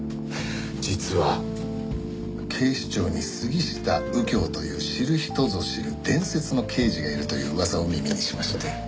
実は警視庁に杉下右京という知る人ぞ知る伝説の刑事がいるという噂を耳にしまして。